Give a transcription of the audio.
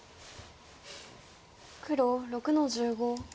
黒６の十五。